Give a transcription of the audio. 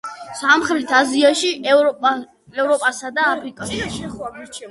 სამხრეთ აზიაში, ევროპასა და აფრიკაში.